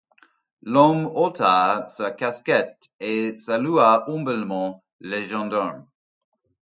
L'homme ôta sa casquette et salua humblement le gendarme.